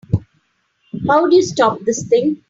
How do you stop this thing?